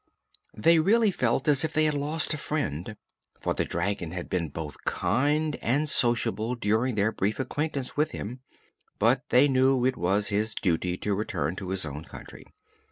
They really felt as if they had lost a friend, for the dragon had been both kind and sociable during their brief acquaintance with him; but they knew it was his duty to return to his own country.